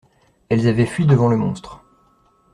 Elles avaient fui devant le monstre.